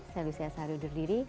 selalu sihat sehari undur diri